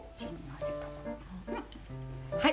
はい。